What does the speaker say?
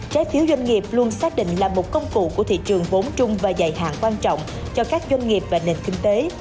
trái phiếu doanh nghiệp luôn xác định là một công cụ của thị trường vốn trung và dài hạn quan trọng cho các doanh nghiệp và nền kinh tế